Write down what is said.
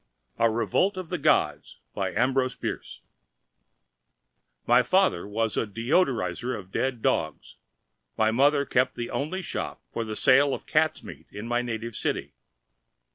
A REVOLT OF THE GODS My father was a deodorizer of dead dogs, my mother kept the only shop for the sale of cats' meat in my native city.